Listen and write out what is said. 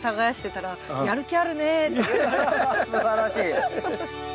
すばらしい。